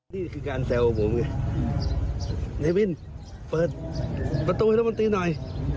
นี่คือการแซวผมไงนายวินเปิดประตูให้รัฐมนตรีหน่อย